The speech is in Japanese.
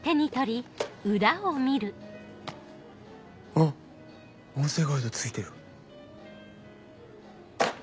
あっ音声ガイド付いてる。